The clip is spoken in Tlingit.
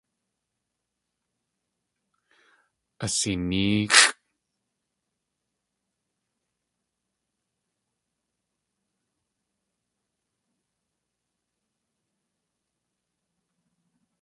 Asinéexʼ.